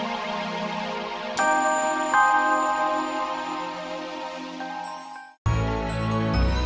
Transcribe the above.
sampai jumpa lagi